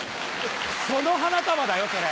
その花束だよそれ。